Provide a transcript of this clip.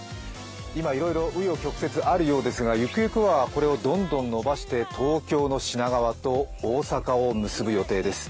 今いろいろ紆余曲折あるようですがゆくゆくはこれをどんどん伸ばして東京の品川と大阪を結ぶ予定です。